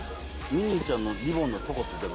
ミニーちゃんのリボンのチョコ付いてるの？